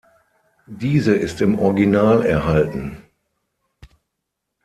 Diese ist im Original erhalten.